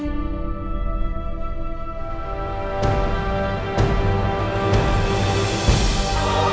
terimakasih juga denganyoutube